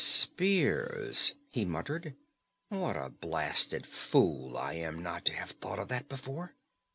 "Spears!" he muttered. "What a blasted fool I am not to have thought of that before!